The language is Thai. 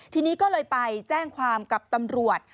ทีนี้ก็เลยไปแจ้งความกับตำรวจ